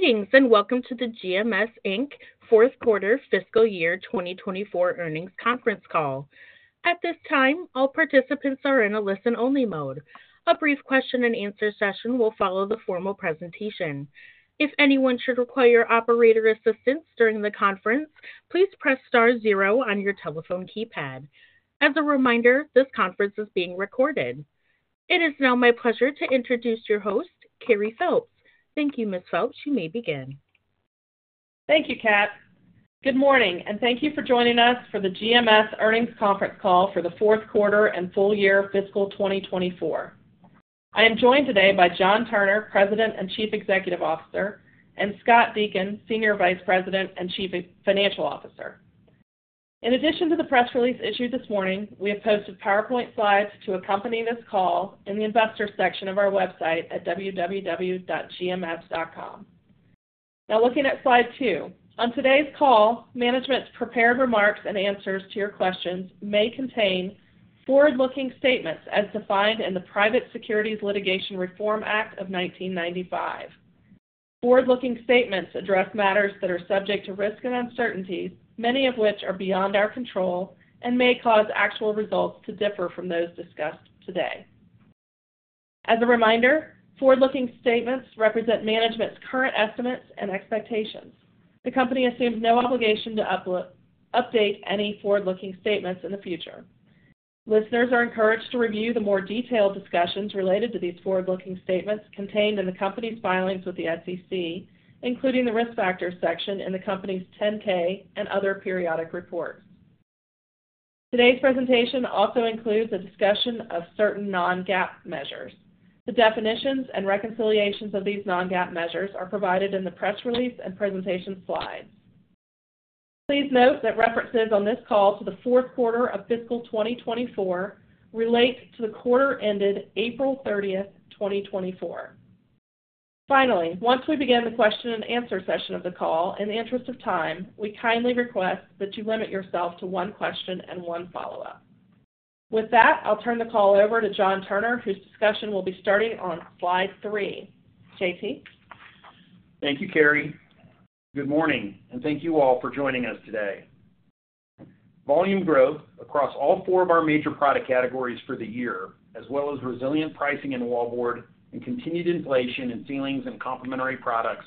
Greetings, and welcome to the GMS Inc. fourth quarter fiscal year 2024 earnings conference call. At this time, all participants are in a listen-only mode. A brief question-and-answer session will follow the formal presentation. If anyone should require operator assistance during the conference, please press star zero on your telephone keypad. As a reminder, this conference is being recorded. It is now my pleasure to introduce your host, Carey Phelps. Thank you, Ms. Phelps. You may begin. Thank you, Kat. Good morning, and thank you for joining us for the GMS earnings conference call for the fourth quarter and full year fiscal 2024. I am joined today by John Turner, President and Chief Executive Officer, and Scott Deakin, Senior Vice President and Chief Financial Officer. In addition to the press release issued this morning, we have posted PowerPoint slides to accompany this call in the Investors section of our website at www.gms.com. Now looking at slide 2. On today's call, management's prepared remarks and answers to your questions may contain forward-looking statements as defined in the Private Securities Litigation Reform Act of 1995. Forward-looking statements address matters that are subject to risk and uncertainties, many of which are beyond our control, and may cause actual results to differ from those discussed today. As a reminder, forward-looking statements represent management's current estimates and expectations. The company assumes no obligation to update any forward-looking statements in the future. Listeners are encouraged to review the more detailed discussions related to these forward-looking statements contained in the company's filings with the SEC, including the Risk Factors section in the company's 10-K and other periodic reports. Today's presentation also includes a discussion of certain non-GAAP measures. The definitions and reconciliations of these non-GAAP measures are provided in the press release and presentation slides. Please note that references on this call to the fourth quarter of fiscal 2024 relate to the quarter ended April 30, 2024. Finally, once we begin the question-and-answer session of the call, in the interest of time, we kindly request that you limit yourself to one question and one follow-up. With that, I'll turn the call over to John Turner, whose discussion will be starting on slide 3. JT? Thank you, Carrie. Good morning, and thank you all for joining us today. Volume growth across all four of our major product categories for the year, as well as resilient pricing in wallboard and continued inflation in ceilings and complementary products,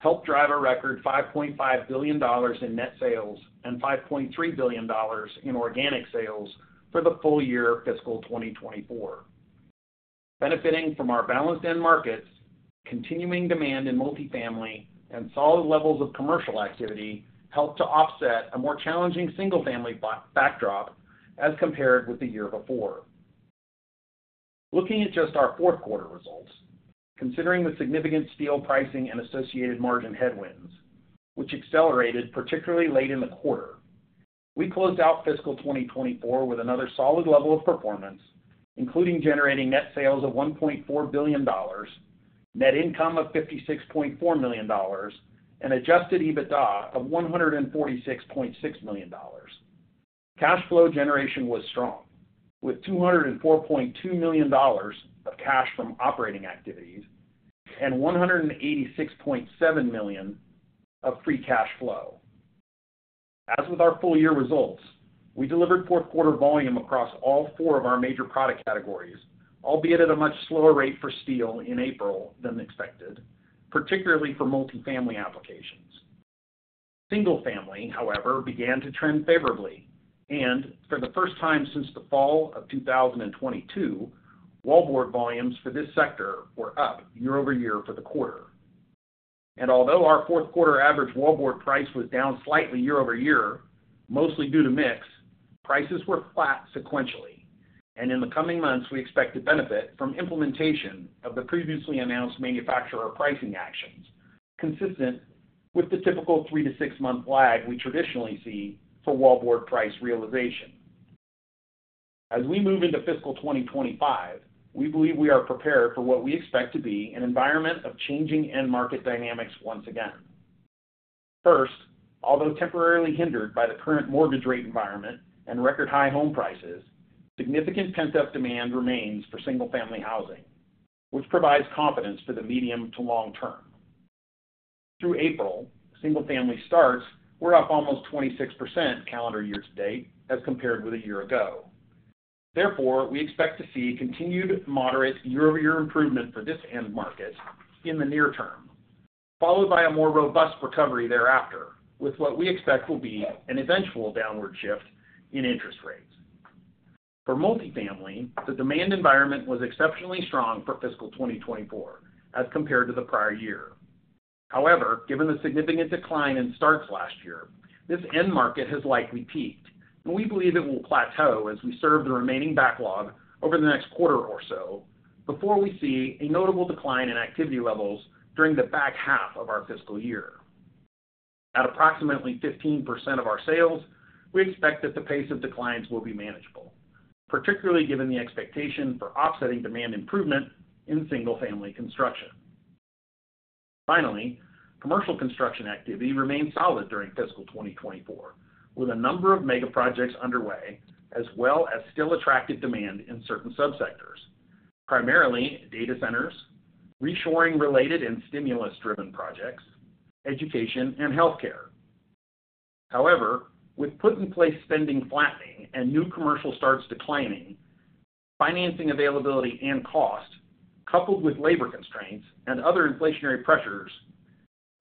helped drive a record $5.5 billion in net sales and $5.3 billion in organic sales for the full year fiscal 2024. Benefiting from our balanced end markets, continuing demand in multifamily and solid levels of commercial activity helped to offset a more challenging single-family backdrop as compared with the year before. Looking at just our fourth quarter results, considering the significant steel pricing and associated margin headwinds, which accelerated particularly late in the quarter, we closed out fiscal 2024 with another solid level of performance, including generating net sales of $1.4 billion, net income of $56.4 million, and Adjusted EBITDA of $146.6 million. Cash flow generation was strong, with $204.2 million of cash from operating activities and $186.7 million of free cash flow. As with our full-year results, we delivered fourth quarter volume across all four of our major product categories, albeit at a much slower rate for steel in April than expected, particularly for multifamily applications. Single-family, however, began to trend favorably, and for the first time since the fall of 2022, wallboard volumes for this sector were up year-over-year for the quarter. And although our fourth quarter average wallboard price was down slightly year-over-year, mostly due to mix, prices were flat sequentially, and in the coming months, we expect to benefit from implementation of the previously announced manufacturer pricing actions, consistent with the typical 3- to 6-month lag we traditionally see for wallboard price realization. As we move into fiscal 2025, we believe we are prepared for what we expect to be an environment of changing end market dynamics once again. First, although temporarily hindered by the current mortgage rate environment and record high home prices, significant pent-up demand remains for single-family housing, which provides confidence for the medium to long term. Through April, single-family starts were up almost 26% calendar year to date as compared with a year ago. Therefore, we expect to see continued moderate year-over-year improvement for this end market in the near term, followed by a more robust recovery thereafter, with what we expect will be an eventual downward shift in interest rates. For multifamily, the demand environment was exceptionally strong for fiscal 2024 as compared to the prior year. However, given the significant decline in starts last year, this end market has likely peaked, and we believe it will plateau as we serve the remaining backlog over the next quarter or so before we see a notable decline in activity levels during the back half of our fiscal year. At approximately 15% of our sales, we expect that the pace of declines will be manageable, particularly given the expectation for offsetting demand improvement in single-family construction. Finally, commercial construction activity remained solid during fiscal 2024, with a number of mega projects underway, as well as still attractive demand in certain subsectors, primarily data centers, reshoring related and stimulus-driven projects, education, and healthcare. However, with put-in-place spending flattening and new commercial starts declining, financing availability and cost, coupled with labor constraints and other inflationary pressures,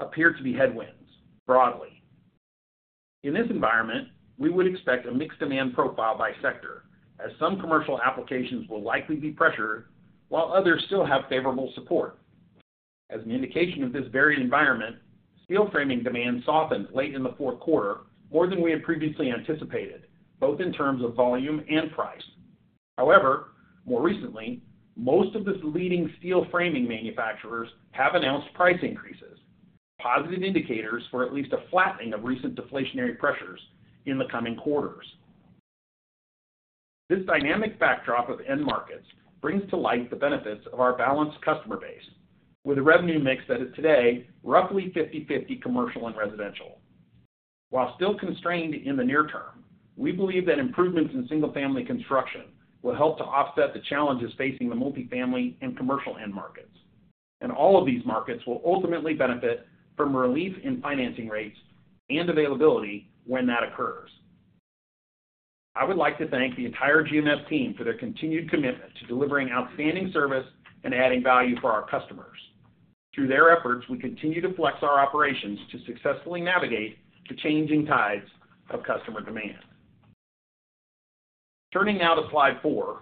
appear to be headwinds broadly. In this environment, we would expect a mixed demand profile by sector, as some commercial applications will likely be pressured, while others still have favorable support. As an indication of this varied environment, steel framing demand softened late in the fourth quarter more than we had previously anticipated, both in terms of volume and price. However, more recently, most of the leading steel framing manufacturers have announced price increases, positive indicators for at least a flattening of recent deflationary pressures in the coming quarters. This dynamic backdrop of end markets brings to light the benefits of our balanced customer base, with a revenue mix that is today roughly 50/50 commercial and residential. While still constrained in the near term, we believe that improvements in single-family construction will help to offset the challenges facing the multifamily and commercial end markets. And all of these markets will ultimately benefit from relief in financing rates and availability when that occurs. I would like to thank the entire GMS team for their continued commitment to delivering outstanding service and adding value for our customers. Through their efforts, we continue to flex our operations to successfully navigate the changing tides of customer demand. Turning now to Slide 4,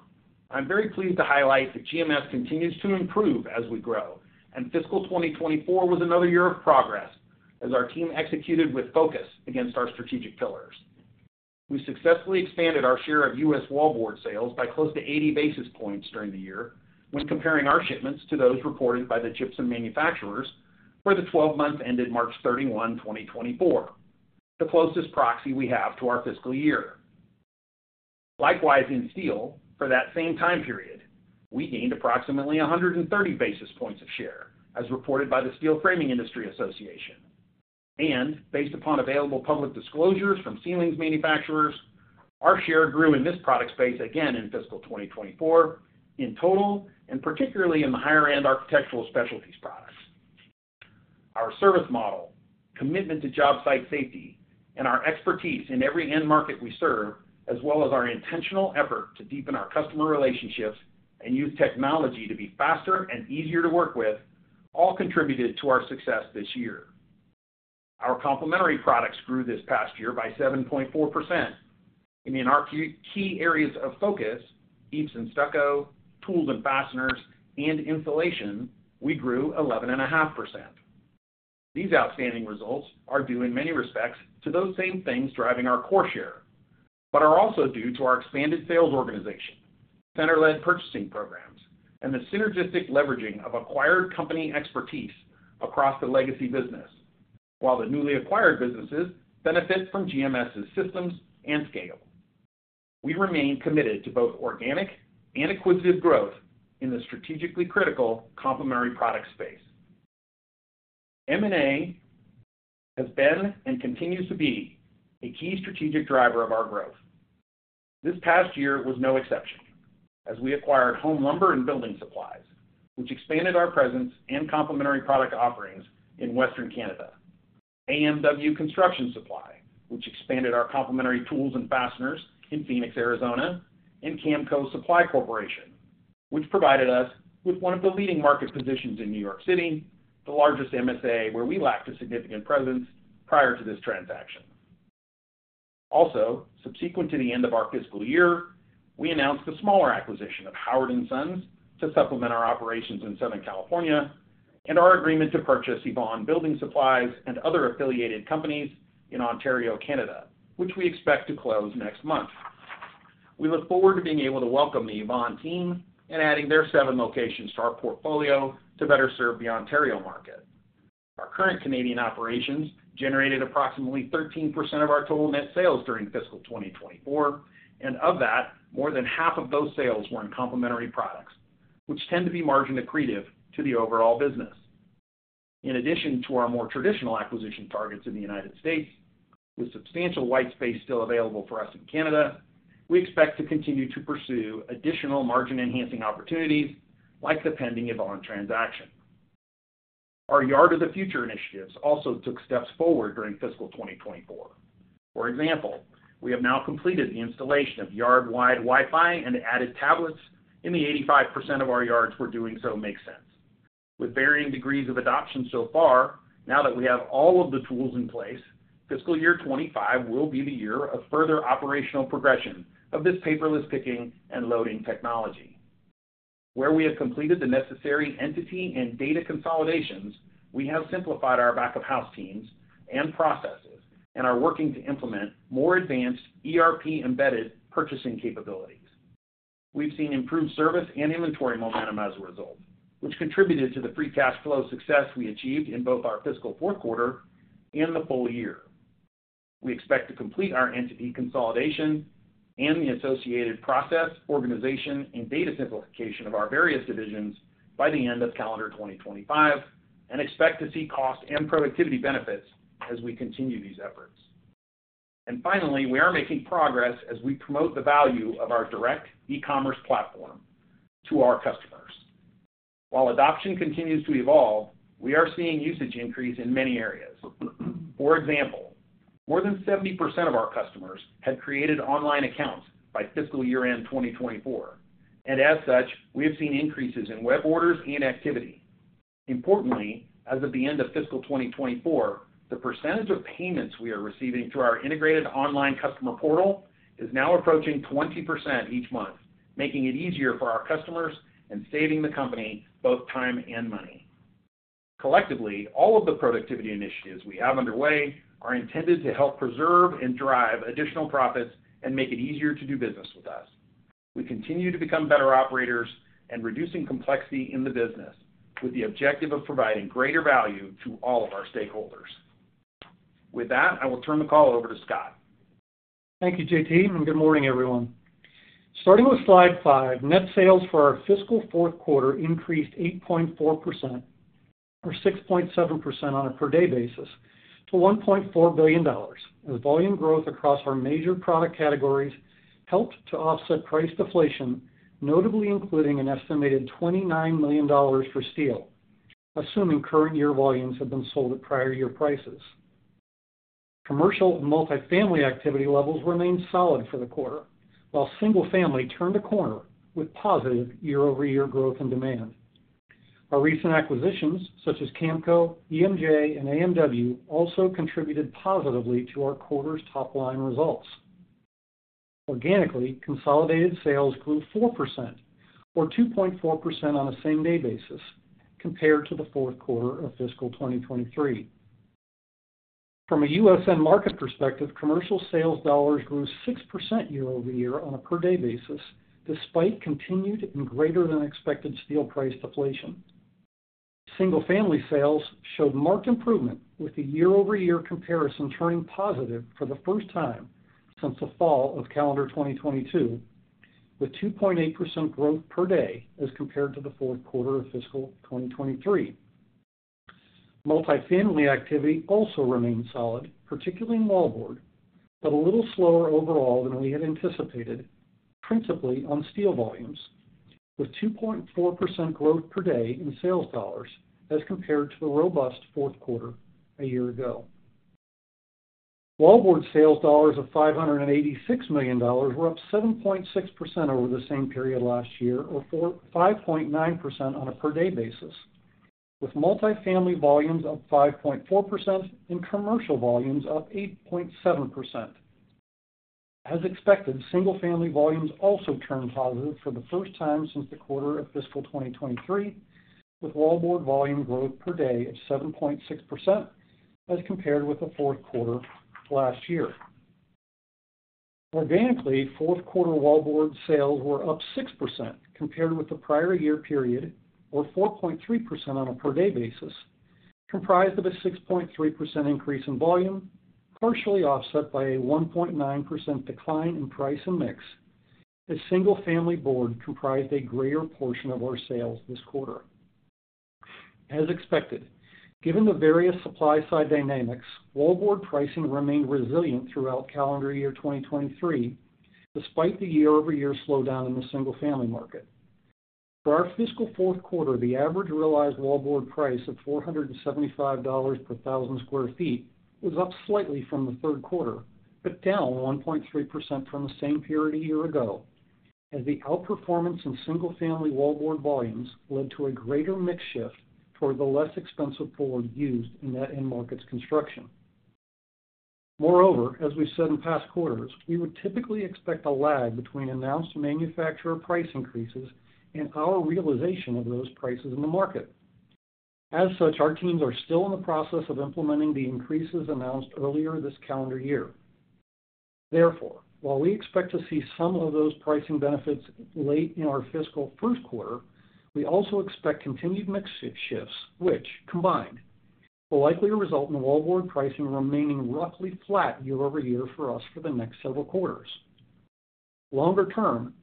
I'm very pleased to highlight that GMS continues to improve as we grow, and fiscal 2024 was another year of progress as our team executed with focus against our strategic pillars. We successfully expanded our share of U.S. wallboard sales by close to 80 basis points during the year when comparing our shipments to those reported by the gypsum manufacturers for the 12 months ended March 31, 2024, the closest proxy we have to our fiscal year. Likewise, in steel, for that same time period, we gained approximately 130 basis points of share, as reported by the Steel Framing Industry Association. Based upon available public disclosures from ceilings manufacturers, our share grew in this product space again in fiscal 2024 in total, and particularly in the higher-end architectural specialties products. Our service model, commitment to job site safety, and our expertise in every end market we serve, as well as our intentional effort to deepen our customer relationships and use technology to be faster and easier to work with, all contributed to our success this year. Our complementary products grew this past year by 7.4%, and in our key areas of focus, EIFS and stucco, tools and fasteners, and insulation, we grew 11.5%. These outstanding results are due, in many respects, to those same things driving our core share, but are also due to our expanded sales organization, center-led purchasing programs, and the synergistic leveraging of acquired company expertise across the legacy business, while the newly acquired businesses benefit from GMS's systems and scale. We remain committed to both organic and acquisitive growth in the strategically critical complementary product space. M&A has been and continues to be a key strategic driver of our growth. This past year was no exception, as we acquired Home Lumber & Building Supply, which expanded our presence and complementary product offerings in Western Canada, AMW Construction Supply, which expanded our complementary tools and fasteners in Phoenix, Arizona, and Kamco Supply Corp., which provided us with one of the leading market positions in New York City, the largest MSA, where we lacked a significant presence prior to this transaction. Also, subsequent to the end of our fiscal year, we announced the smaller acquisition of Howard & Sons to supplement our operations in Southern California, and our agreement to purchase Yvon Building Supply and other affiliated companies in Ontario, Canada, which we expect to close next month. We look forward to being able to welcome the Yvon team and adding their seven locations to our portfolio to better serve the Ontario market. Our current Canadian operations generated approximately 13% of our total net sales during fiscal 2024, and of that, more than half of those sales were in complementary products, which tend to be margin accretive to the overall business. In addition to our more traditional acquisition targets in the United States, with substantial white space still available for us in Canada, we expect to continue to pursue additional margin-enhancing opportunities like the pending Yvon transaction. Our Yard of the Future initiatives also took steps forward during fiscal 2024. For example, we have now completed the installation of yard-wide Wi-Fi and added tablets in the 85% of our yards where doing so makes sense. With varying degrees of adoption so far, now that we have all of the tools in place, fiscal year 2025 will be the year of further operational progression of this paperless picking and loading technology. Where we have completed the necessary entity and data consolidations, we have simplified our back-of-house teams and processes and are working to implement more advanced ERP-embedded purchasing capabilities. We've seen improved service and inventory momentum as a result, which contributed to the free cash flow success we achieved in both our fiscal fourth quarter and the full year. We expect to complete our entity consolidation and the associated process, organization, and data simplification of our various divisions by the end of calendar 2025 and expect to see cost and productivity benefits as we continue these efforts. Finally, we are making progress as we promote the value of our direct e-commerce platform to our customers. While adoption continues to evolve, we are seeing usage increase in many areas. For example, more than 70% of our customers had created online accounts by fiscal year-end 2024, and as such, we have seen increases in web orders and activity. Importantly, as of the end of fiscal 2024, the percentage of payments we are receiving through our integrated online customer portal is now approaching 20% each month, making it easier for our customers and saving the company both time and money. Collectively, all of the productivity initiatives we have underway are intended to help preserve and drive additional profits and make it easier to do business with us. We continue to become better operators and reducing complexity in the business, with the objective of providing greater value to all of our stakeholders. With that, I will turn the call over to Scott. Thank you, JT, and good morning, everyone. Starting with Slide five, net sales for our fiscal fourth quarter increased 8.4%, or 6.7% on a per-day basis, to $1.4 billion, as volume growth across our major product categories helped to offset price deflation, notably including an estimated $29 million for steel, assuming current year volumes have been sold at prior year prices. Commercial and multifamily activity levels remained solid for the quarter, while single family turned a corner with positive year-over-year growth in demand. Our recent acquisitions, such as Camco, EMJ, and AMW, also contributed positively to our quarter's top-line results. Organically, consolidated sales grew 4%, or 2.4% on a same-day basis compared to the fourth quarter of fiscal 2023. From a U.S. end market perspective, commercial sales dollars grew 6% year-over-year on a per-day basis, despite continued and greater-than-expected steel price deflation. Single-family sales showed marked improvement, with the year-over-year comparison turning positive for the first time since the fall of calendar 2022, with 2.8% growth per day as compared to the fourth quarter of fiscal 2023. Multifamily activity also remained solid, particularly in wallboard, but a little slower overall than we had anticipated, principally on steel volumes, with 2.4% growth per day in sales dollars as compared to the robust fourth quarter a year ago. Wallboard sales dollars of $586 million were up 7.6% over the same period last year, or 5.9% on a per-day basis, with multifamily volumes up 5.4% and commercial volumes up 8.7%. As expected, single-family volumes also turned positive for the first time since the quarter of fiscal 2023, with wallboard volume growth per day of 7.6% as compared with the fourth quarter last year. Organically, fourth quarter wallboard sales were up 6% compared with the prior year period, or 4.3% on a per-day basis, comprised of a 6.3% increase in volume, partially offset by a 1.9% decline in price and mix, as single-family board comprised a greater portion of our sales this quarter. As expected, given the various supply-side dynamics, wallboard pricing remained resilient throughout calendar year 2023, despite the year-over-year slowdown in the single-family market. For our fiscal fourth quarter, the average realized wallboard price of $475 per 1,000 sq ft was up slightly from the third quarter, but down 1.3% from the same period a year ago, as the outperformance in single-family wallboard volumes led to a greater mix shift toward the less expensive board used in that end market's construction. Moreover, as we've said in past quarters, we would typically expect a lag between announced manufacturer price increases and our realization of those prices in the market. As such, our teams are still in the process of implementing the increases announced earlier this calendar year. Therefore, while we expect to see some of those pricing benefits late in our fiscal first quarter, we also expect continued mix shifts, which, combined, will likely result in wallboard pricing remaining roughly flat year-over-year for us for the next several quarters. Longer term,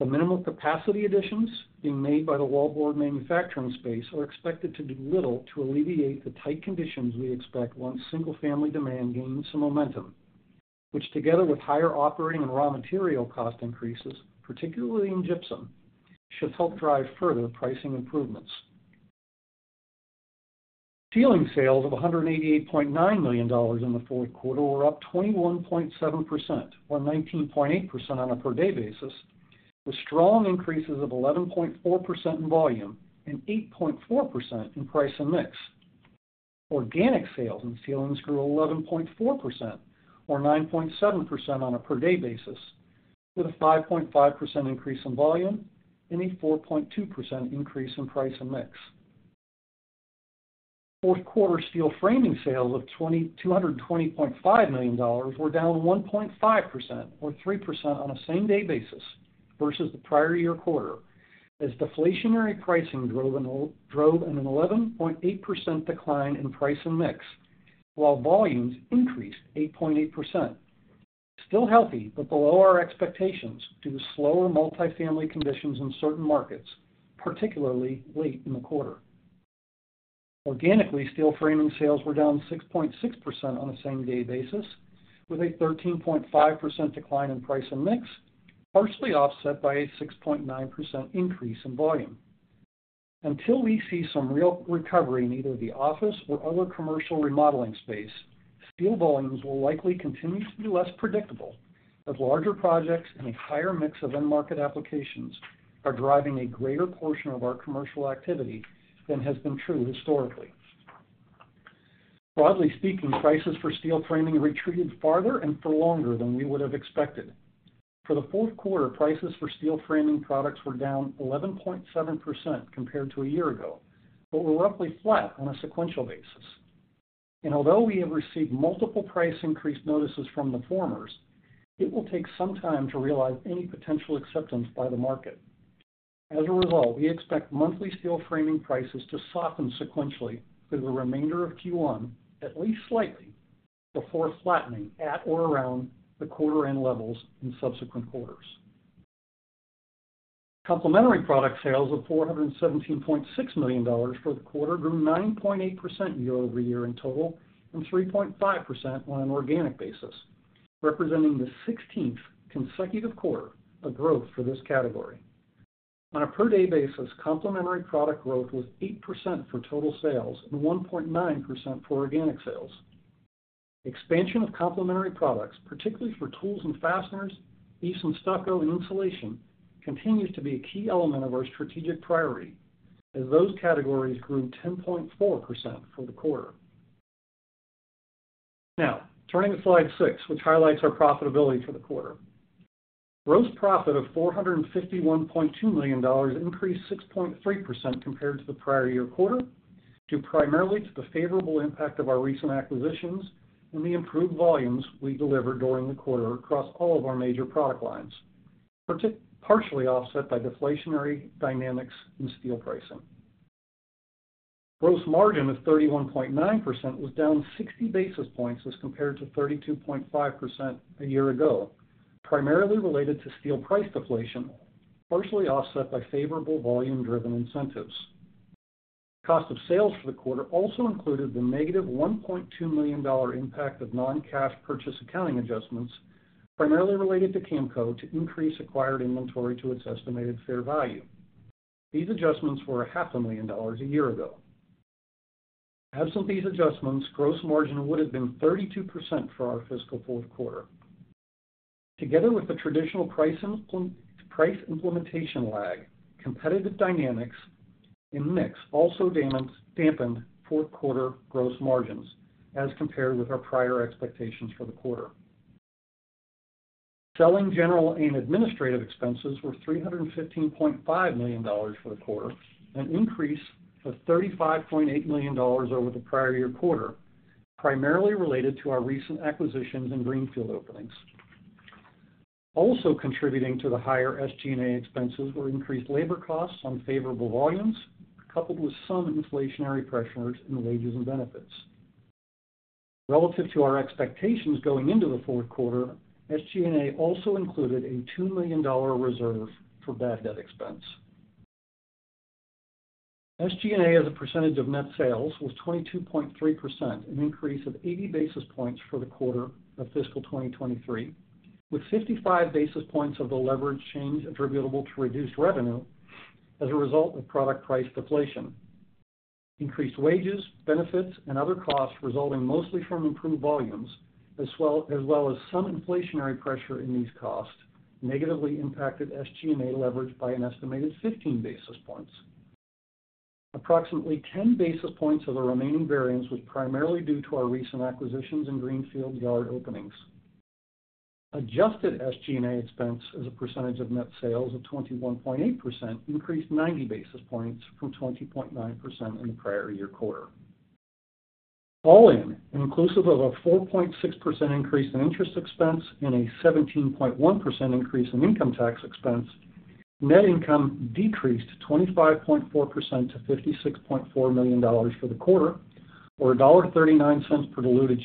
the minimal capacity additions being made by the wallboard manufacturing space are expected to do little to alleviate the tight conditions we expect once single-family demand gains some momentum, which, together with higher operating and raw material cost increases, particularly in gypsum, should help drive further pricing improvements. Ceilings sales of $188.9 million in the fourth quarter were up 21.7%, or 19.8% on a per-day basis, with strong increases of 11.4% in volume and 8.4% in price and mix. Organic sales in ceilings grew 11.4% or 9.7% on a per-day basis, with a 5.5% increase in volume and a 4.2% increase in price and mix. Fourth quarter steel framing sales of $222.5 million were down 1.5% or 3% on a same-day basis versus the prior year quarter, as deflationary pricing drove an 11.8% decline in price and mix, while volumes increased 8.8%. Still healthy, but below our expectations due to slower multifamily conditions in certain markets, particularly late in the quarter.... Organically, steel framing sales were down 6.6% on a same-day basis, with a 13.5% decline in price and mix, partially offset by a 6.9% increase in volume. Until we see some real recovery in either the office or other commercial remodeling space, steel volumes will likely continue to be less predictable, as larger projects and a higher mix of end market applications are driving a greater portion of our commercial activity than has been true historically. Broadly speaking, prices for steel framing retreated farther and for longer than we would have expected. For the fourth quarter, prices for steel framing products were down 11.7% compared to a year ago, but were roughly flat on a sequential basis. And although we have received multiple price increase notices from the framers, it will take some time to realize any potential acceptance by the market. As a result, we expect monthly steel framing prices to soften sequentially through the remainder of Q1, at least slightly, before flattening at or around the quarter end levels in subsequent quarters. Complementary product sales of $417.6 million for the quarter grew 9.8% year-over-year in total and 3.5% on an organic basis, representing the 16th consecutive quarter of growth for this category. On a per-day basis, complementary product growth was 8% for total sales and 1.9% for organic sales. Expansion of complementary products, particularly for tools and fasteners, eaves and stucco, and insulation, continues to be a key element of our strategic priority, as those categories grew 10.4% for the quarter. Now, turning to Slide 6, which highlights our profitability for the quarter. Gross profit of $451.2 million increased 6.3% compared to the prior-year quarter, due primarily to the favorable impact of our recent acquisitions and the improved volumes we delivered during the quarter across all of our major product lines, partially offset by deflationary dynamics in steel pricing. Gross margin of 31.9% was down 60 basis points as compared to 32.5% a year ago, primarily related to steel price deflation, partially offset by favorable volume-driven incentives. Cost of sales for the quarter also included the negative $1.2 million impact of non-cash purchase accounting adjustments, primarily related to Camco, to increase acquired inventory to its estimated fair value. These adjustments were $500,000 a year ago. Absent these adjustments, gross margin would have been 32% for our fiscal fourth quarter. Together with the traditional price implementation lag, competitive dynamics and mix also dampened fourth quarter gross margins as compared with our prior expectations for the quarter. Selling general and administrative expenses were $315.5 million for the quarter, an increase of $35.8 million over the prior year quarter, primarily related to our recent acquisitions and greenfield openings. Also contributing to the higher SG&A expenses were increased labor costs on favorable volumes, coupled with some inflationary pressures in wages and benefits. Relative to our expectations going into the fourth quarter, SG&A also included a $2 million reserve for bad debt expense. SG&A, as a percentage of net sales, was 22.3%, an increase of 80 basis points for the quarter of fiscal 2023, with 55 basis points of the leverage change attributable to reduced revenue as a result of product price deflation. Increased wages, benefits, and other costs resulting mostly from improved volumes, as well as some inflationary pressure in these costs, negatively impacted SG&A leverage by an estimated 15 basis points. Approximately 10 basis points of the remaining variance was primarily due to our recent acquisitions and greenfield yard openings. Adjusted SG&A expense as a percentage of net sales of 21.8% increased 90 basis points from 20.9% in the prior year quarter. All in, inclusive of a 4.6% increase in interest expense and a 17.1% increase in income tax expense, net income decreased 25.4% to $56.4 million for the quarter, or $1.39 per diluted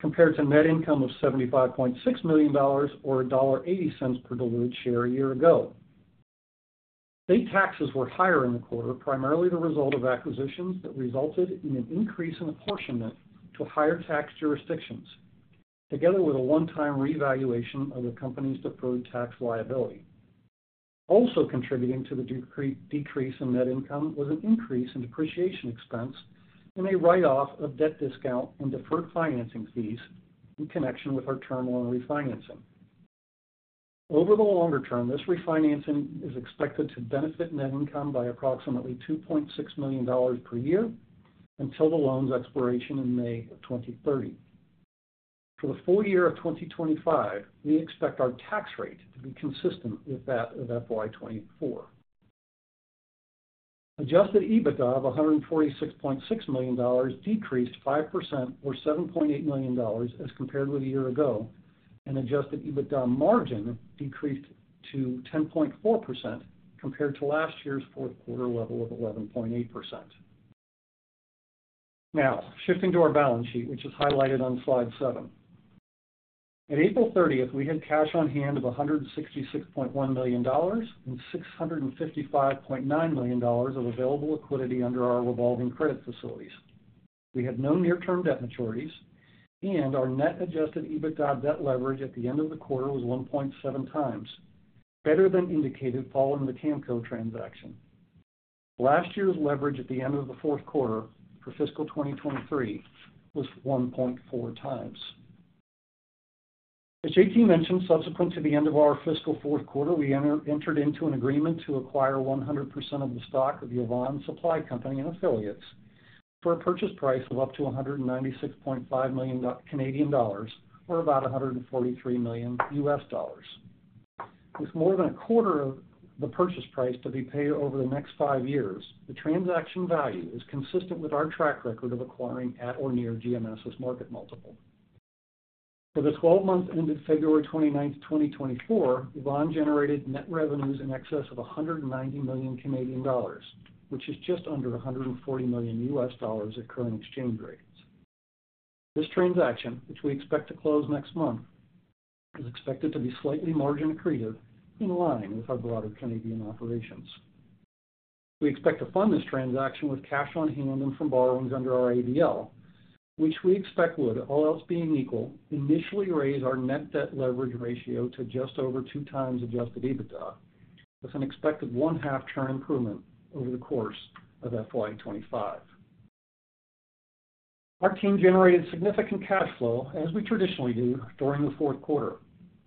share, compared to net income of $75.6 million or $1.80 per diluted share a year ago. State taxes were higher in the quarter, primarily the result of acquisitions that resulted in an increase in apportionment to higher tax jurisdictions, together with a one-time revaluation of the company's deferred tax liability. Also contributing to the decrease in net income was an increase in depreciation expense and a write-off of debt discount and deferred financing fees in connection with our term loan refinancing. Over the longer term, this refinancing is expected to benefit net income by approximately $2.6 million per year until the loan's expiration in May of 2030. For the full year of 2025, we expect our tax rate to be consistent with that of FY 2024. Adjusted EBITDA of $146.6 million decreased 5% or $7.8 million as compared with a year ago, and adjusted EBITDA margin decreased to 10.4% compared to last year's fourth quarter level of 11.8%. Now, shifting to our balance sheet, which is highlighted on Slide 7. At April 30th, we had cash on hand of $166.1 million and $655.9 million of available liquidity under our revolving credit facilities. We had no near-term debt maturities, and our net adjusted EBITDA debt leverage at the end of the quarter was 1.7 times, better than indicated following the Camco transaction. Last year's leverage at the end of the fourth quarter for fiscal 2023 was 1.4 times. As JT mentioned, subsequent to the end of our fiscal fourth quarter, we entered into an agreement to acquire 100% of the stock of the Yvon Supply Company and affiliates for a purchase price of up to 196.5 million Canadian dollars, or about $143 million. With more than a quarter of the purchase price to be paid over the next five years, the transaction value is consistent with our track record of acquiring at or near GMS's market multiple. For the twelve months ended February 29, 2024, Yvon generated net revenues in excess of 190 million Canadian dollars, which is just under $140 million at current exchange rates. This transaction, which we expect to close next month, is expected to be slightly margin accretive, in line with our broader Canadian operations. We expect to fund this transaction with cash on hand and from borrowings under our ABL, which we expect would, all else being equal, initially raise our net debt leverage ratio to just over 2x adjusted EBITDA, with an expected 0.5 turn improvement over the course of FY 2025. Our team generated significant cash flow, as we traditionally do, during the fourth quarter.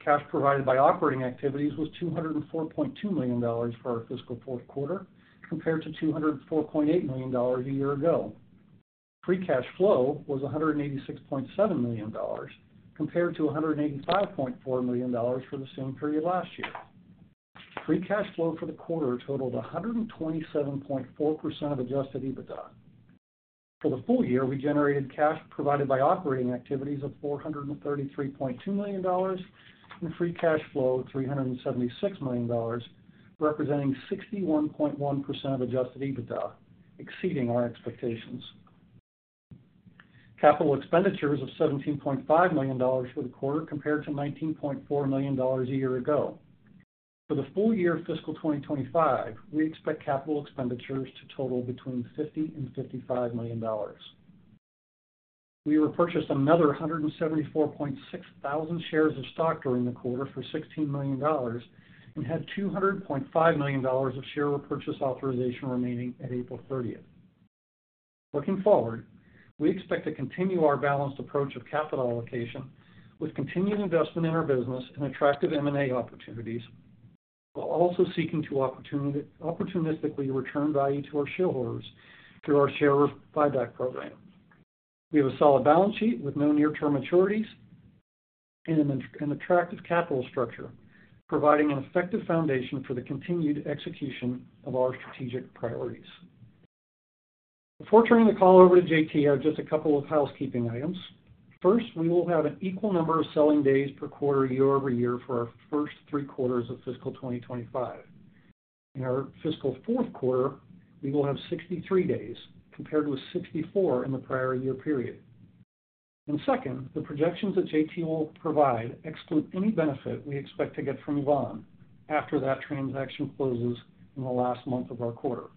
Cash provided by operating activities was $204.2 million for our fiscal fourth quarter, compared to $204.8 million a year ago. Free cash flow was $186.7 million, compared to $185.4 million for the same period last year. Free cash flow for the quarter totaled 127.4% of Adjusted EBITDA. For the full year, we generated cash provided by operating activities of $433.2 million and free cash flow of $376 million, representing 61.1% of Adjusted EBITDA, exceeding our expectations. Capital expenditures of $17.5 million for the quarter, compared to $19.4 million a year ago. For the full year of fiscal 2025, we expect capital expenditures to total between $50 million and $55 million. We repurchased another 174.6 thousand shares of stock during the quarter for $16 million and had $200.5 million of share repurchase authorization remaining at April 30. Looking forward, we expect to continue our balanced approach of capital allocation with continued investment in our business and attractive M&A opportunities, while also seeking to opportunistically return value to our shareholders through our share buyback program. We have a solid balance sheet with no near-term maturities and an attractive capital structure, providing an effective foundation for the continued execution of our strategic priorities. Before turning the call over to JT, I have just a couple of housekeeping items. First, we will have an equal number of selling days per quarter, year-over-year for our first three quarters of fiscal 2025. In our fiscal fourth quarter, we will have 63 days, compared with 64 in the prior year period. And second, the projections that JT will provide exclude any benefit we expect to get from Yvon after that transaction closes in the last month of our quarter.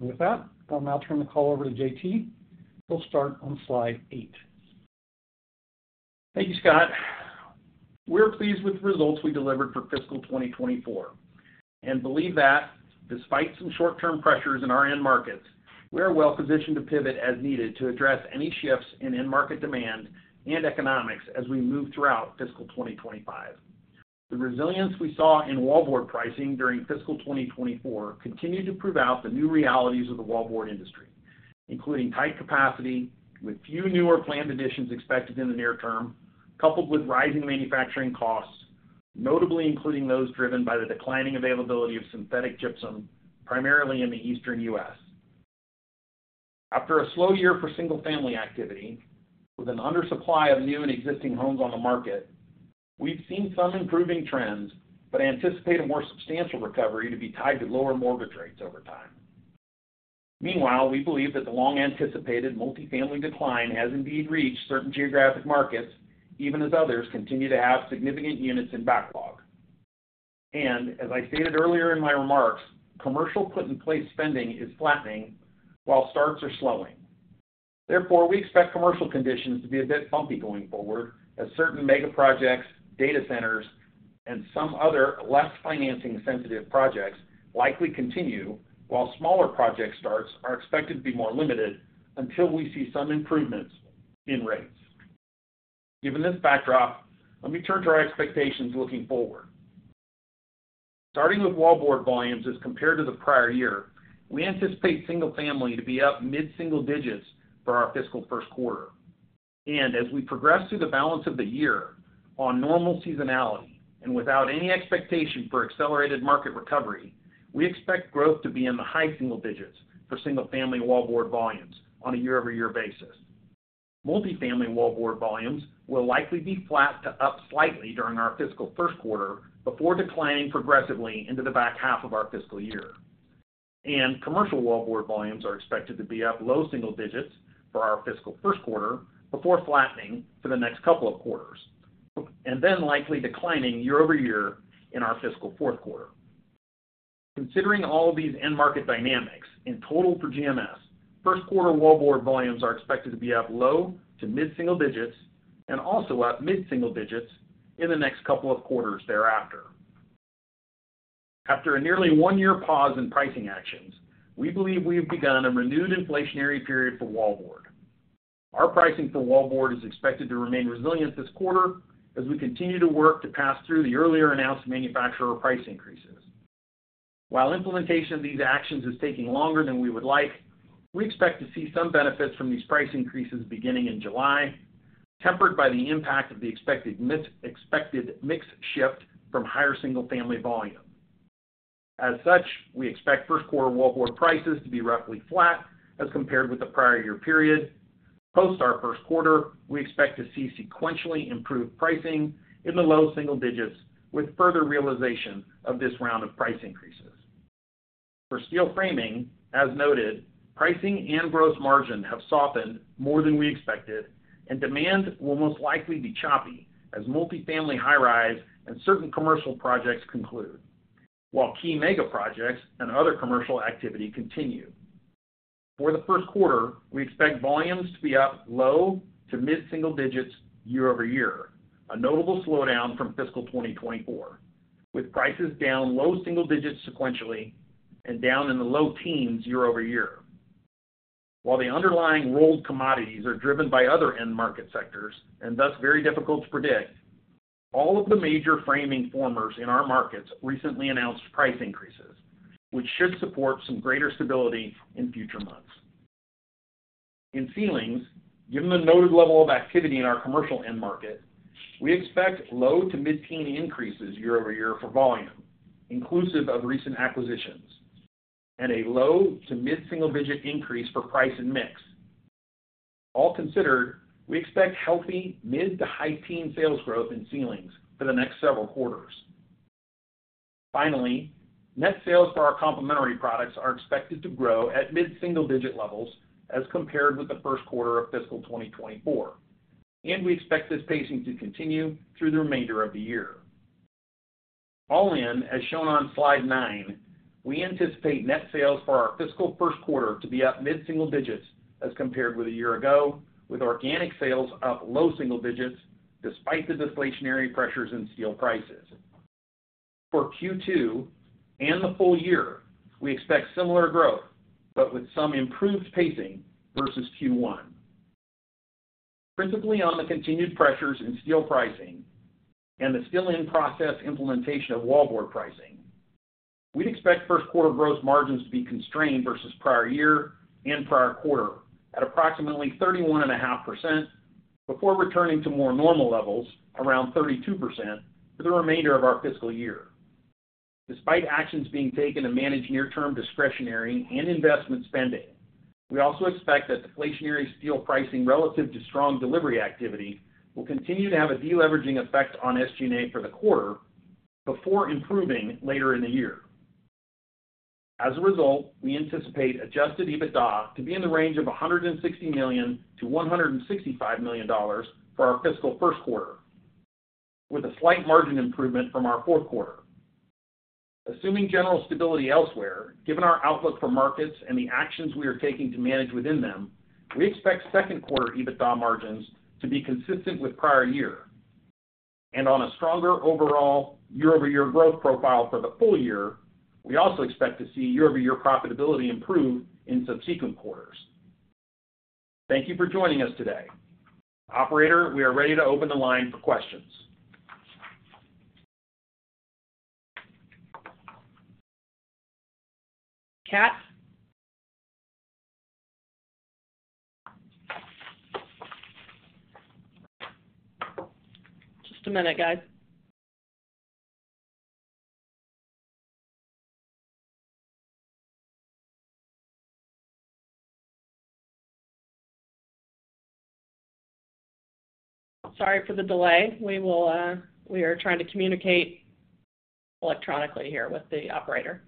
And with that, I'll now turn the call over to JT, who'll start on slide eight. Thank you, Scott. We're pleased with the results we delivered for fiscal 2024 and believe that despite some short-term pressures in our end markets, we are well positioned to pivot as needed to address any shifts in end market demand and economics as we move throughout fiscal 2025. The resilience we saw in wallboard pricing during fiscal 2024 continued to prove out the new realities of the wallboard industry, including tight capacity, with few new or planned additions expected in the near term, coupled with rising manufacturing costs, notably including those driven by the declining availability of synthetic gypsum, primarily in the Eastern US. After a slow year for single-family activity, with an undersupply of new and existing homes on the market, we've seen some improving trends, but anticipate a more substantial recovery to be tied to lower mortgage rates over time. Meanwhile, we believe that the long-anticipated multifamily decline has indeed reached certain geographic markets, even as others continue to have significant units in backlog. As I stated earlier in my remarks, commercial put in place spending is flattening while starts are slowing. Therefore, we expect commercial conditions to be a bit bumpy going forward, as certain mega projects, data centers, and some other less financing-sensitive projects likely continue, while smaller project starts are expected to be more limited until we see some improvements in rates. Given this backdrop, let me turn to our expectations looking forward. Starting with wallboard volumes as compared to the prior year, we anticipate single family to be up mid-single digits for our fiscal first quarter. As we progress through the balance of the year on normal seasonality and without any expectation for accelerated market recovery, we expect growth to be in the high single digits for single-family wallboard volumes on a year-over-year basis. Multifamily wallboard volumes will likely be flat to up slightly during our fiscal first quarter before declining progressively into the back half of our fiscal year, and commercial wallboard volumes are expected to be up low single digits for our fiscal first quarter before flattening for the next couple of quarters, and then likely declining year-over-year in our fiscal fourth quarter. Considering all of these end market dynamics, in total for GMS, first quarter wallboard volumes are expected to be up low to mid-single digits and also up mid-single digits in the next couple of quarters thereafter. After a nearly one-year pause in pricing actions, we believe we have begun a renewed inflationary period for wallboard. Our pricing for wallboard is expected to remain resilient this quarter as we continue to work to pass through the earlier announced manufacturer price increases. While implementation of these actions is taking longer than we would like, we expect to see some benefits from these price increases beginning in July, tempered by the impact of the expected mix, expected mix shift from higher single-family volume. As such, we expect first quarter wallboard prices to be roughly flat as compared with the prior year period. Post our first quarter, we expect to see sequentially improved pricing in the low single digits, with further realization of this round of price increases. For steel framing, as noted, pricing and gross margin have softened more than we expected, and demand will most likely be choppy as multifamily high-rise and certain commercial projects conclude, while key mega projects and other commercial activity continue. For the first quarter, we expect volumes to be up low to mid-single digits year-over-year, a notable slowdown from fiscal 2024, with prices down low single digits sequentially and down in the low teens year-over-year. While the underlying rolled commodities are driven by other end market sectors and thus very difficult to predict, all of the major framing formers in our markets recently announced price increases, which should support some greater stability in future months. In ceilings, given the noted level of activity in our commercial end market, we expect low- to mid-teen increases year-over-year for volume, inclusive of recent acquisitions, and a low- to mid-single-digit increase for price and mix. All considered, we expect healthy mid- to high-teen sales growth in ceilings for the next several quarters. Finally, net sales for our complementary products are expected to grow at mid-single-digit levels as compared with the first quarter of fiscal 2024, and we expect this pacing to continue through the remainder of the year. All in, as shown on Slide 9, we anticipate net sales for our fiscal first quarter to be up mid-single digits as compared with a year ago, with organic sales up low single digits despite the deflationary pressures in steel prices. For Q2 and the full year, we expect similar growth, but with some improved pacing versus Q1. Principally on the continued pressures in steel pricing and the still in-process implementation of wallboard pricing, we'd expect first quarter gross margins to be constrained versus prior year and prior quarter at approximately 31.5%, before returning to more normal levels around 32% for the remainder of our fiscal year. Despite actions being taken to manage near-term discretionary and investment spending, we also expect that deflationary steel pricing relative to strong delivery activity will continue to have a deleveraging effect on SG&A for the quarter before improving later in the year. As a result, we anticipate Adjusted EBITDA to be in the range of $160 million-$165 million for our fiscal first quarter, with a slight margin improvement from our fourth quarter. Assuming general stability elsewhere, given our outlook for markets and the actions we are taking to manage within them, we expect second quarter EBITDA margins to be consistent with prior year. And on a stronger overall year-over-year growth profile for the full year, we also expect to see year-over-year profitability improve in subsequent quarters. Thank you for joining us today. Operator, we are ready to open the line for questions. Kat? Just a minute, guys. Sorry for the delay. We will, we are trying to communicate electronically here with the operator.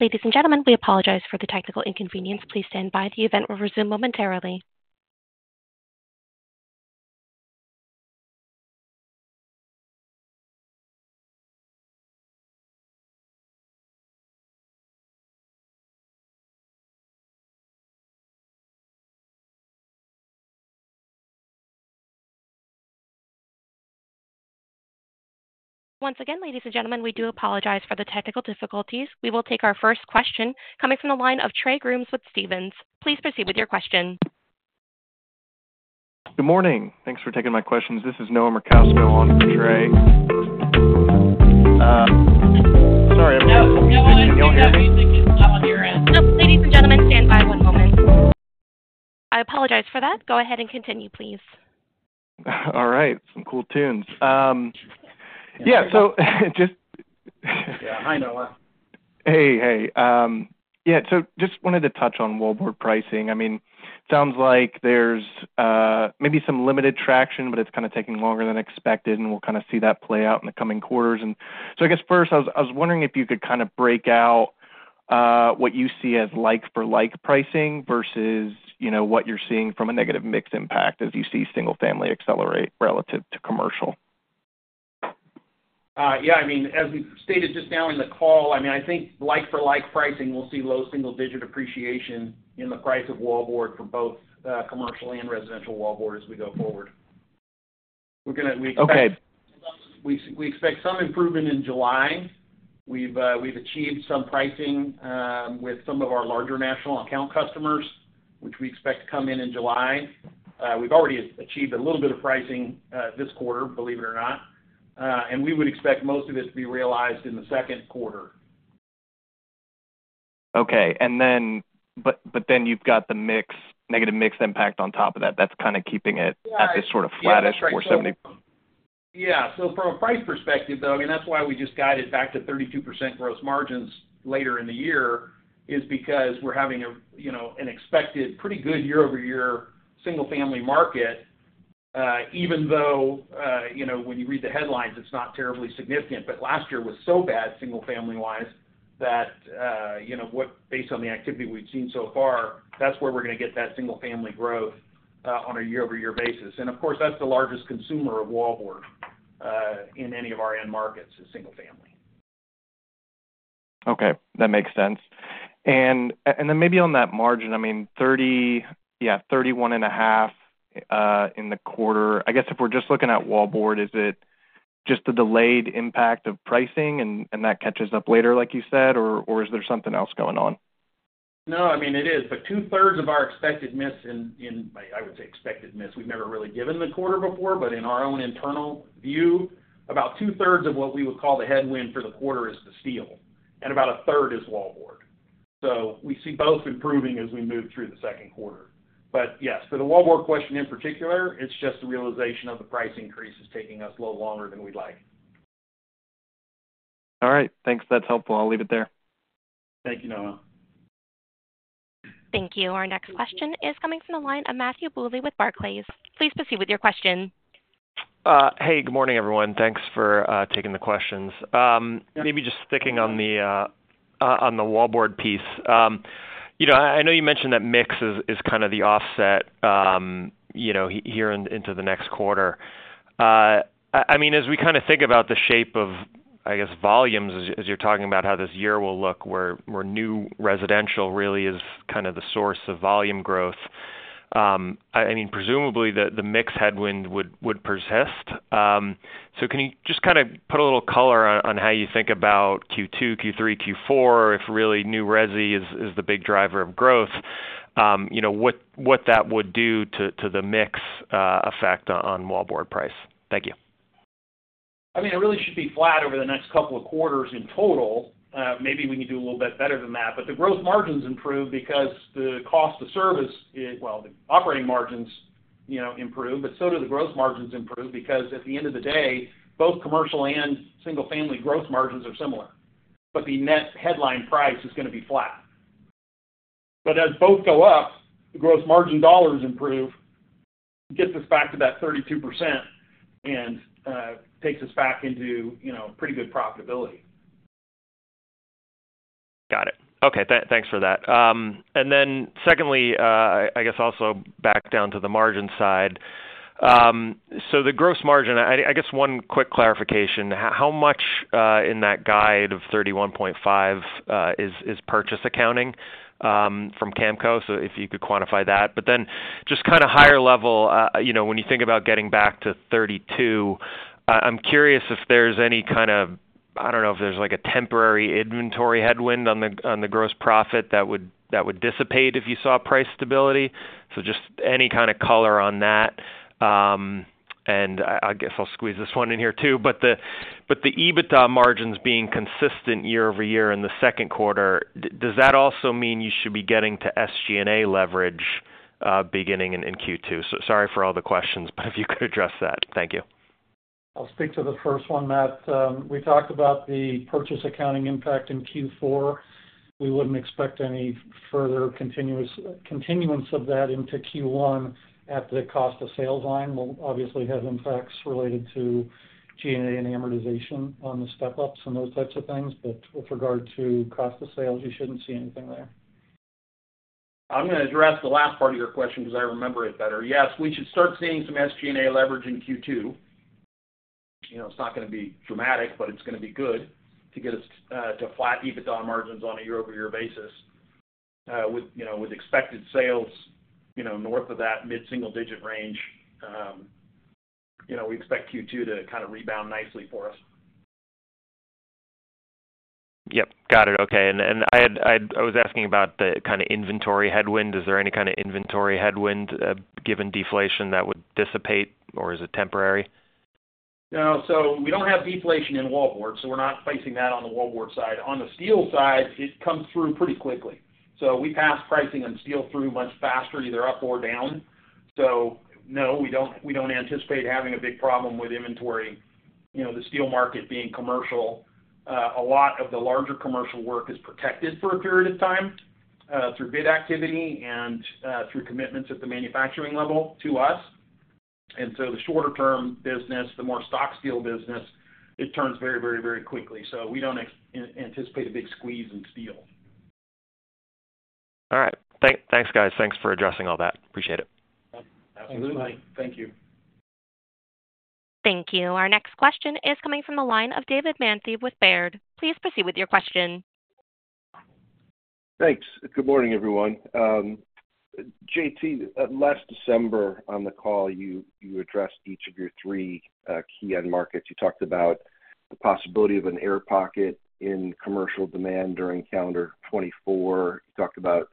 Ladies and gentlemen, we apologize for the technical inconvenience. Please stand by. The event will resume momentarily. Once again, ladies and gentlemen, we do apologize for the technical difficulties. We will take our first question coming from the line of Trey Grooms with Stephens. Please proceed with your question.... Good morning. Thanks for taking my questions. This is Noah Merkousko for Trey. Sorry, I've got some music going. No, that music is not on your end. Ladies and gentlemen, stand by one moment. I apologize for that. Go ahead and continue, please. All right. Some cool tunes. Yeah, so just- Yeah. Hi, Noah. Hey, hey. Yeah, so just wanted to touch on wallboard pricing. I mean, sounds like there's maybe some limited traction, but it's kind of taking longer than expected, and we'll kind of see that play out in the coming quarters. So I guess first, I was wondering if you could kind of break out what you see as like-for-like pricing versus, you know, what you're seeing from a negative mix impact as you see single family accelerate relative to commercial. I mean, as we stated just now in the call, I mean, I think like-for-like pricing will see low single-digit appreciation in the price of wallboard for both commercial and residential wallboard as we go forward. We're gonna- Okay. We expect some improvement in July. We've achieved some pricing with some of our larger national account customers, which we expect to come in in July. We've already achieved a little bit of pricing this quarter, believe it or not. We would expect most of this to be realized in the second quarter. Okay. But then you've got the mix, negative mix impact on top of that. That's kind of keeping it- Right at this sort of flattish 470. Yeah. So from a price perspective, though, I mean, that's why we just guided back to 32% gross margins later in the year, is because we're having a, you know, an expected pretty good year-over-year single family market, even though, you know, when you read the headlines, it's not terribly significant. But last year was so bad, single family-wise, that, you know what? Based on the activity we've seen so far, that's where we're going to get that single family growth, on a year-over-year basis. And of course, that's the largest consumer of wallboard, in any of our end markets, is single family. Okay, that makes sense. And, and then maybe on that margin, I mean, 31.5 in the quarter. I guess, if we're just looking at wallboard, is it just the delayed impact of pricing and, and that catches up later, like you said, or, or is there something else going on? No, I mean, it is. But two-thirds of our expected miss in, I would say expected miss, we've never really given the quarter before, but in our own internal view, about two-thirds of what we would call the headwind for the quarter is the steel, and about a third is wallboard. So we see both improving as we move through the second quarter. But yes, for the wallboard question, in particular, it's just the realization of the price increases taking us a little longer than we'd like. All right, thanks. That's helpful. I'll leave it there. Thank you, Noah. Thank you. Our next question is coming from the line of Matthew Bouley with Barclays. Please proceed with your question. Hey, good morning, everyone. Thanks for taking the questions. Maybe just sticking on the wallboard piece. You know, I know you mentioned that mix is kind of the offset, you know, here into the next quarter. I mean, as we kind of think about the shape of, I guess, volumes as you're talking about how this year will look, where new residential really is kind of the source of volume growth, I mean, presumably, the mix headwind would persist. So can you just kind of put a little color on how you think about Q2, Q3, Q4, if really new resi is the big driver of growth, you know, what that would do to the mix effect on wallboard price? Thank you. I mean, it really should be flat over the next couple of quarters in total. Maybe we can do a little bit better than that, but the gross margins improve because the cost of sales, well, the operating margins, you know, improve, but so do the gross margins improve, because at the end of the day, both commercial and single-family gross margins are similar. But the net headline price is going to be flat. But as both go up, the gross margin dollars improve, gets us back to that 32% and, takes us back into, you know, pretty good profitability. Got it. Okay. Thanks for that. And then secondly, I guess, also back down to the margin side. So the gross margin, I guess one quick clarification, how much in that guide of 31.5 is purchase accounting from Camco? So if you could quantify that. But then just kind of higher level, you know, when you think about getting back to 32, I'm curious if there's any kind of... I don't know, if there's like a temporary inventory headwind on the gross profit that would dissipate if you saw price stability. So just any kind of color on that. And I guess I'll squeeze this one in here, too. But the EBITDA margins being consistent year-over-year in the second quarter, does that also mean you should be getting to SG&A leverage, beginning in Q2? Sorry for all the questions, but if you could address that. Thank you. I'll speak to the first one, Matt. We talked about the purchase accounting impact in Q4. We wouldn't expect any further continuous, continuance of that into Q1 at the cost of sales line. We'll obviously have impacts related to G&A and amortization on the step-ups and those types of things. But with regard to cost of sales, you shouldn't see anything there. I'm going to address the last part of your question because I remember it better. Yes, we should start seeing some SG&A leverage in Q2. You know, it's not going to be dramatic, but it's going to be good to get us to flat EBITDA margins on a year-over-year basis. With expected sales, you know, north of that mid-single-digit range, you know, we expect Q2 to kind of rebound nicely for us.... Yep, got it. Okay. And I was asking about the kind of inventory headwind. Is there any kind of inventory headwind given deflation that would dissipate, or is it temporary? No. So we don't have deflation in wallboard, so we're not facing that on the wallboard side. On the steel side, it comes through pretty quickly. So we pass pricing on steel through much faster, either up or down. So no, we don't, we don't anticipate having a big problem with inventory. You know, the steel market being commercial, a lot of the larger commercial work is protected for a period of time, through bid activity and, through commitments at the manufacturing level to us. And so the shorter-term business, the more stock steel business, it turns very, very, very quickly. So we don't anticipate a big squeeze in steel. All right. Thanks, guys. Thanks for addressing all that. Appreciate it. Absolutely. Thank you. Thank you. Our next question is coming from the line of David Manthey with Baird. Please proceed with your question. Thanks. Good morning, everyone. JT, last December on the call, you, you addressed each of your three, key end markets. You talked about the possibility of an air pocket in commercial demand during calendar 2024. You talked about,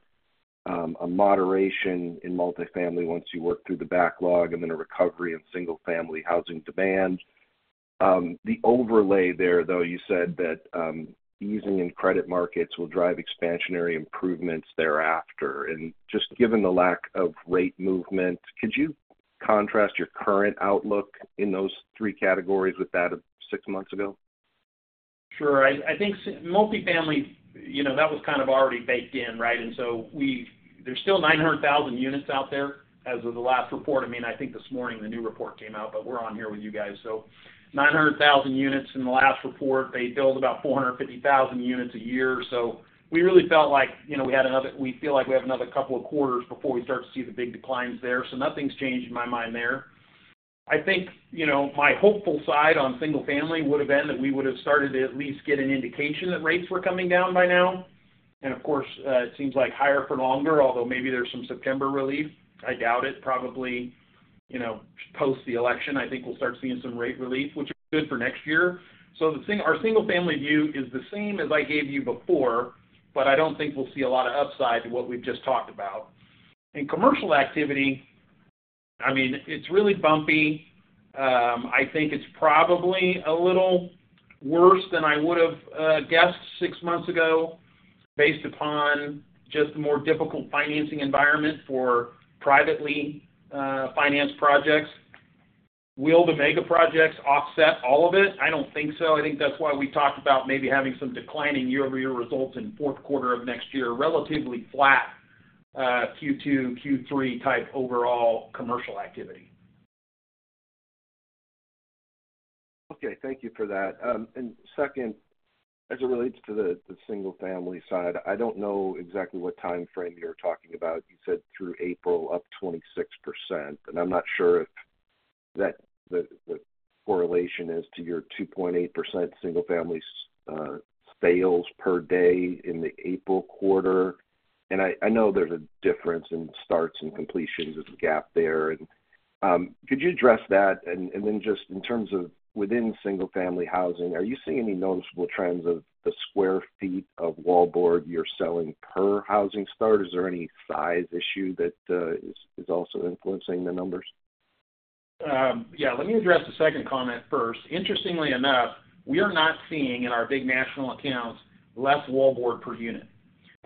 a moderation in multifamily once you work through the backlog, and then a recovery in single-family housing demand. The overlay there, though, you said that, easing in credit markets will drive expansionary improvements thereafter. And just given the lack of rate movement, could you contrast your current outlook in those three categories with that of six months ago? Sure. I think multifamily, you know, that was kind of already baked in, right? And so we—there's still 900,000 units out there as of the last report. I mean, I think this morning the new report came out, but we're on here with you guys. So 900,000 units in the last report. They build about 450,000 units a year. So we really felt like, you know, we had another—we feel like we have another couple of quarters before we start to see the big declines there. So nothing's changed in my mind there. I think, you know, my hopeful side on single family would've been that we would've started to at least get an indication that rates were coming down by now. And of course, it seems like higher for longer, although maybe there's some September relief. I doubt it, probably, you know, post the election, I think we'll start seeing some rate relief, which is good for next year. So our single-family view is the same as I gave you before, but I don't think we'll see a lot of upside to what we've just talked about. In commercial activity, I mean, it's really bumpy. I think it's probably a little worse than I would've guessed six months ago, based upon just the more difficult financing environment for privately financed projects. Will the mega projects offset all of it? I don't think so. I think that's why we talked about maybe having some declining year-over-year results in fourth quarter of next year, relatively flat, Q2, Q3 type overall commercial activity. Okay. Thank you for that. And second, as it relates to the single-family side, I don't know exactly what time frame you're talking about. You said through April, up 26%, and I'm not sure if that, the correlation is to your 2.8% single-family sales per day in the April quarter. And, I know there's a difference in starts and completions, there's a gap there. And, could you address that? And then just in terms of within single-family housing, are you seeing any noticeable trends of the square feet of wallboard you're selling per housing start? Is there any size issue that is also influencing the numbers? Yeah. Let me address the second comment first. Interestingly enough, we are not seeing in our big national accounts less wallboard per unit.